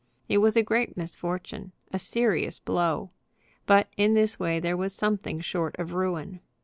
It was a great misfortune, a serious blow. But in this way there was something short of ruin.